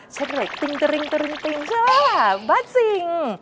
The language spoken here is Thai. เช็คเรทติ้งตริงใช่ป่ะบ้าจริง